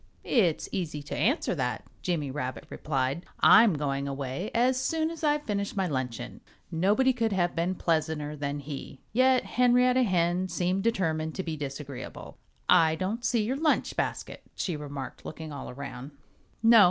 "It's easy to answer that," Jimmy Rabbit replied. "I'm going away as soon as I've finished my luncheon." Nobody could have been pleasanter than he. Yet Henrietta Hen seemed determined to be disagreeable. "I don't see your lunch basket," she remarked, looking all around. "No!"